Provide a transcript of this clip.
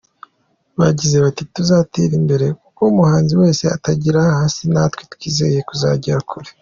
Bagize bati: “Tuzatera imbere kuko umuhanzi wese atangirira hasi natwe twizeye kuzagera kure.